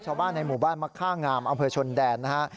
ชาวบ้านในหมู่บ้านมะค่างามอำเภอชนแดนนะฮะ